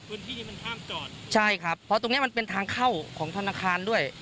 พื้นที่นี้มันห้ามจอดใช่ครับเพราะตรงเนี้ยมันเป็นทางเข้าของธนาคารด้วย